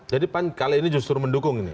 jadi pan kali ini justru mendukung ini